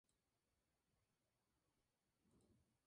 Algunos arrecifes han sido enterrados bajo varios metros de cieno.